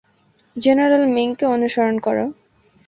General মিংকে অনুসরণ করো!